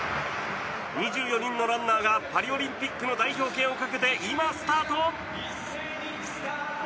２４人のランナーがパリオリンピックの代表権をかけて今、スタート。